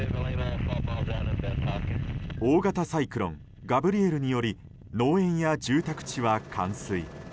大型サイクロンガブリエルにより農園や住宅地は冠水。